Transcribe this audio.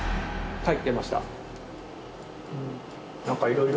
はい。